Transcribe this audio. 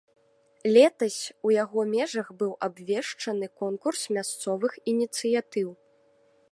Летась у яго межах быў абвешчаны конкурс мясцовых ініцыятыў.